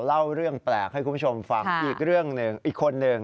เล่าเรื่องแปลกให้คุณผู้ชมฟังอีกเรื่องหนึ่งอีกคนหนึ่ง